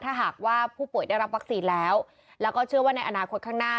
ถ้าหากว่าผู้ป่วยได้รับวัคซีนแล้วแล้วก็เชื่อว่าในอนาคตข้างหน้า